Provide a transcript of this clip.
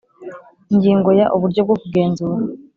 Ingingo ya uburyo bwo kugenzura